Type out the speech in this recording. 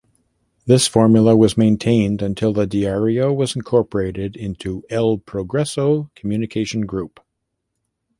This formula was maintained until the Diario was incorporated into "El Progreso" Communication Group.